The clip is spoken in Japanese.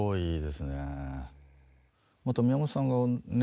また宮本さんがね